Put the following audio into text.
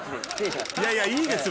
いやいやいいです